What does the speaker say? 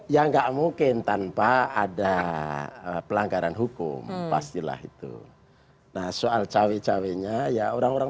ya nggak mungkin tanpa ada pelanggaran hukum pastilah itu nah soal cewek ceweknya ya orang orang